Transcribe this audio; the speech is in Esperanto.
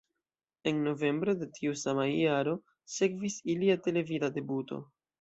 En novembro de tiu sama jaro sekvis ilia televida debuto.